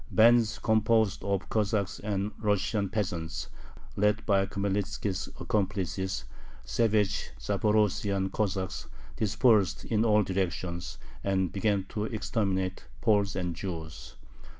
Bands composed of Cossacks and Russian peasants led by Khmelnitzki's accomplices, savage Zaporozhian Cossacks, dispersed in all directions, and began to exterminate Poles and Jews.